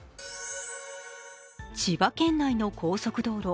千葉県内の高速道路。